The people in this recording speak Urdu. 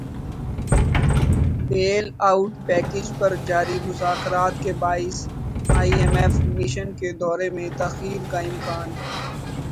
بیل اٹ پیکج پر جاری مذاکرات کے باعث ائی ایم ایف مشن کے دورے میں تاخیر کا امکان